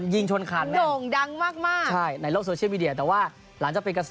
ยิงชนคาญแม่ง